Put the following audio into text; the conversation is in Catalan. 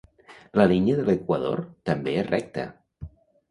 La línia de l'equador també és recta.